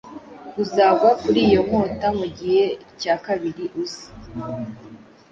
Uzagwa kuri iyo nkota mugihe cya kabiri uza?